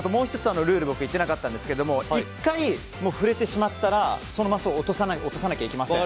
ルール言っていなかったんですけど１回触れてしまったらそのマスを落とさなければいけません。